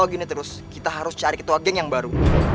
oh gini terus kita harus cari ketua geng yang baru